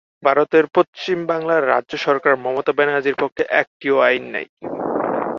ভারতের পশ্চিম বাংলার রাজ্য সরকার মমতা ব্যানার্জির পক্ষে একটিও আইন নাই।